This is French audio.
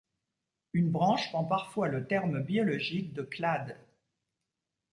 Une branche prend parfois le terme biologique de clade.